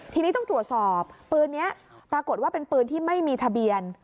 ทีนี้ต้องตรวจสอบปืนนี้ปรากฏว่าเป็นปืนที่ไม่มีทะเบียน